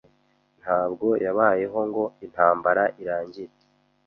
Ntabwo yabayeho ngo intambara irangire.